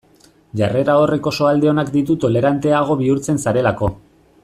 Jarrera horrek oso alde onak ditu toleranteago bihurtzen zarelako.